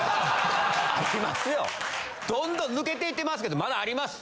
どんどん抜けていってますけどまだあります。